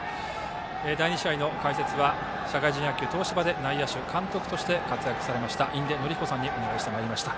第２試合の解説は社会人野球、東芝で内野手、監督として活躍した印出順彦さんにお聞きしました。